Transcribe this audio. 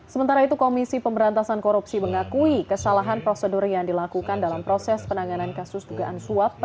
sementara itu komisi pemberantasan korupsi mengakui kesalahan prosedur yang dilakukan dalam proses penanganan kasus dugaan suap